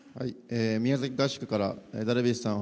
宮崎合宿からダルビッシュさん